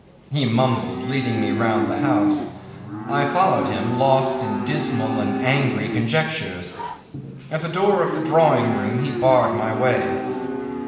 ..." He mumbled, leading me round the house; I followed him, lost in dismal and angry conjectures. At the door of the drawing room he barred my way.